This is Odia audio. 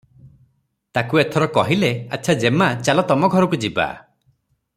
ତାକୁ ଏଥର କହିଲେ- "ଆଚ୍ଛା, ଯେମା, ଚାଲ ତମ ଘରକୁ ଯିବା ।